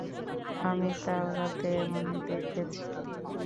আমি তাওরাতে এমনই দেখেছি।